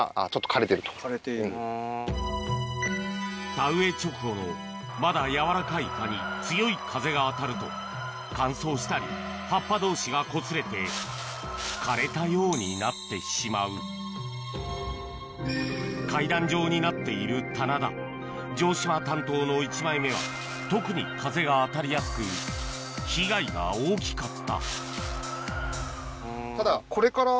田植え直後のまだ柔らかい葉に強い風が当たると乾燥したり葉っぱ同士がこすれて枯れたようになってしまう階段状になっている棚田城島担当の１枚目は特に風が当たりやすく被害が大きかっ